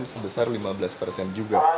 sebesar lima belas persen juga